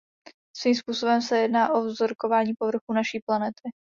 Svým způsobem se jedná o vzorkování povrchu naší planety.